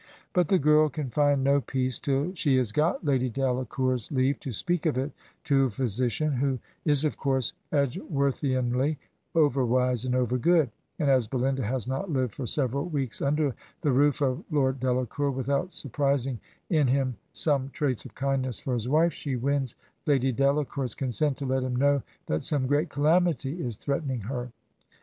But the girl can find no peace till she has got Lady Delacour's leave to speak of it to a physician (who is, of course, Edgeworthianly over wise and over good) ; and as Belinda has not lived for several weeks under the roof of Lord Delacour without surprising in him some traits of kindness for his wife, she wins Lady Dela cour's consent to let him know that some great calamity is threatening her.